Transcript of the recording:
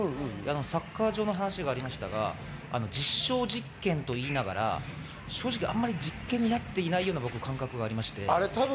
サッカー場の話がありましたが、実証実験と言いながら正直あんまり実験になってない感覚がありまして。